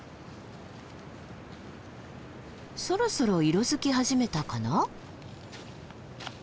そろそろ色づき始めたかな？